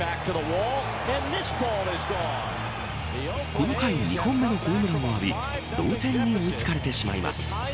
この回２本目のホームランを浴び同点に追いつかれてしまいます。